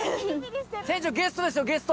船長ゲストですよゲスト。